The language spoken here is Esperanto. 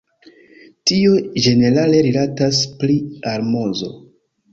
Tio ĝenerale rilatas pri almozo.